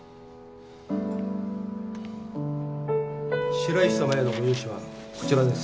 白石様へのご融資はこちらです。